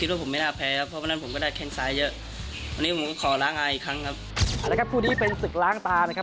วันนี้ก็เป็นสึกล้างตานะครับ